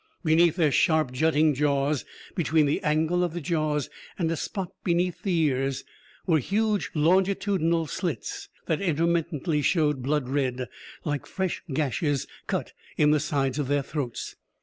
Beneath their sharp, jutting jaws, between the angle of the jaws and a spot beneath the ears, were huge, longitudinal slits, that intermittently showed blood red, like fresh gashes cut in the sides of their throats.